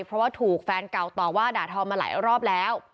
เพราะว่าถูกแฟนเก่าต่อว่าด่าทอมาหลายรอบแล้ว